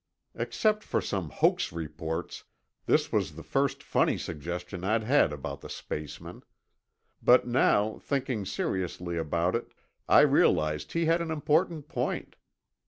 Except for some hoax reports, this was the first funny suggestion I'd had about the spacemen. But now, thinking seriously about it, I realized he had an important point.